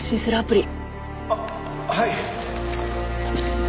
あっはい。